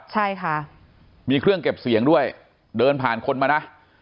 ใช่ค่ะมีเครื่องเก็บเสียงด้วยเดินผ่านคนมานะ